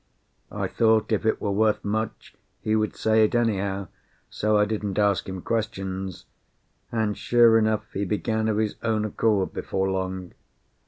I thought if it were worth much, he would say it anyhow, so I didn't ask him questions; and sure enough he began of his own accord before long.